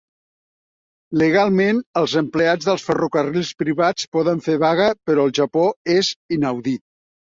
Legalment, els empleats dels ferrocarrils privats poden fer vaga, però al Japó és inaudit.